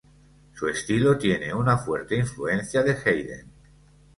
Su estilo tiene una fuerte influencia de Haydn.